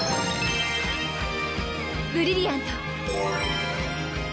ブリリアント！